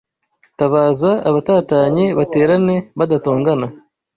Tabaza abatatanye baterane badatongana